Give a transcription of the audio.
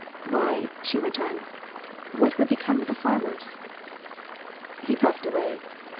"Why," she went on, "what would become of the farmers?" He puffed away.